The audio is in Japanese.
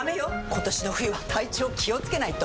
今年の冬は体調気をつけないと！